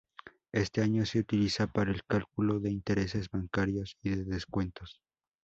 Este año se utiliza para el cálculo de intereses bancarios y de descuentos.